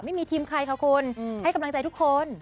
ไม่มีทีมใครค่ะคุณให้กำลังใจทุกคน